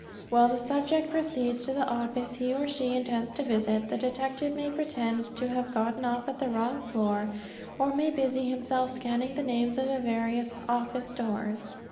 While the subject proceeds to the office he or she intends to visit, the detective may pretend to have gotten off at the wrong floor, or may busy himself scanning the names on the various office doors.